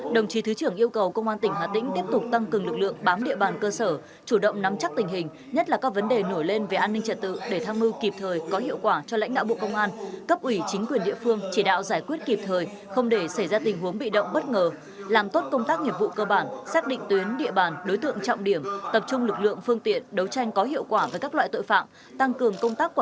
đồng chí thứ trưởng yêu cầu công an tỉnh hà tĩnh tiếp tục tăng cường lực lượng bám địa bàn cơ sở chủ động nắm chắc tình hình nhất là các vấn đề nổi lên về an ninh trật tự để tham mưu kịp thời có hiệu quả cho lãnh đạo bộ công an cấp ủy chính quyền địa phương chỉ đạo giải quyết kịp thời không để xảy ra tình huống bị động bất ngờ làm tốt công tác nghiệp vụ cơ bản xác định tuyến địa bàn đối tượng trọng điểm tập trung lực lượng phương tiện đấu tranh có hiệu quả với các loại tội phạm tăng cường công tác qu